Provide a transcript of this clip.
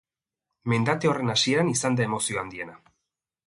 Mendate horren hasieran izan da emozio handiena.